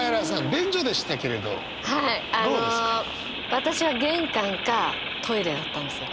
私は玄関かトイレだったんですよ。